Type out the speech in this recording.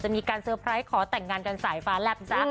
มีการเซอร์ไพรส์ขอแต่งงานกันสายฟ้าแลบจ๊ะ